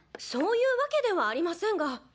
そういうわけではありませんが。